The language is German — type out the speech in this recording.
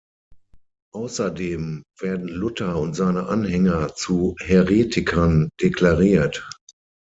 Außerdem werden Luther und seine Anhänger zu Häretikern deklariert.